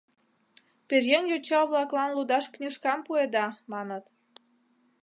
Пӧръеҥ йоча-влаклан лудаш книжкам пуэда, маныт.